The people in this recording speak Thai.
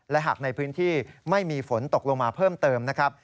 และหากในพื้นที่ไม่มีฝนตกลงมาเพิ่มเติมนะครับ